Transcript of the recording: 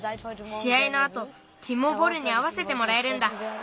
しあいのあとティモ・ボルにあわせてもらえるんだ。